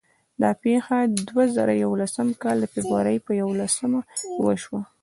دا پېښه د دوه زره یولسم کال د فبرورۍ په یوولسمه وشوه.